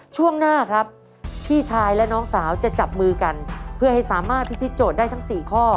ช่วงหน้าครับพี่ชายและน้องสาวจะจับมือกันเพื่อให้สามารถพิธีโจทย์ได้ทั้งสี่ข้อ